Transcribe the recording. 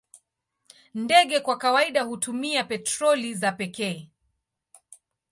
Ndege kwa kawaida hutumia petroli za pekee.